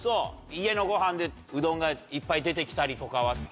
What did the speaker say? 家のご飯でうどんがいっぱい出てきたりとかは？